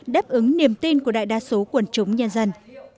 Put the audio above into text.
đáp ứng niềm tin của đại đa số quần chúng nhân dân